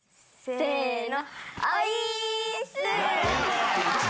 せの！